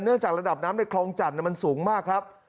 จากระดับน้ำในคลองจันทร์มันสูงมากครับ